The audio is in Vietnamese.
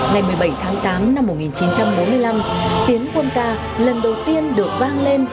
ngày một mươi bảy tháng tám năm một nghìn chín trăm bốn mươi năm tiến quân ca lần đầu tiên được vang lên